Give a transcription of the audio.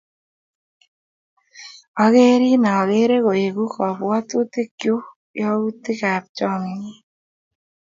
Akerin akere koeku kapwotutik chuk yautik ap chomyet.